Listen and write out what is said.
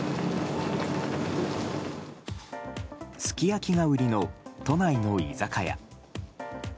すき焼きが売りの都内の居酒屋。